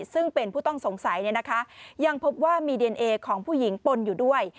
ซึ่งเป็นผู้ต้องสงสัยยังพบว่ามีดีเอนเอของผู้หญิงปนอยู่ด้วย